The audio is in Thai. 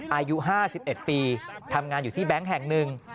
อายุ๕๑ปีทำงานอยู่ที่แบงค์แห่งหนึ่ง